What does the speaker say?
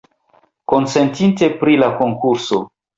Konsentite pri la konkurso!